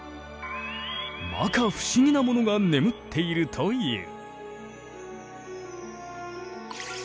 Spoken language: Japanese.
摩訶不思議なものが眠っているという。